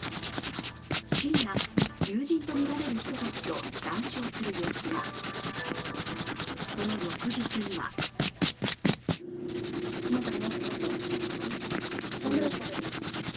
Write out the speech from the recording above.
深夜、友人とみられる人たちと談笑する様子もその翌日には来ました、来ました、来ました、サングラスをかけています。